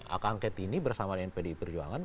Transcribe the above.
hak angket ini bersama dengan pdi perjuangan